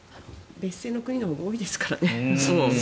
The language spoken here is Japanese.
別姓の国のほうが多いですからね。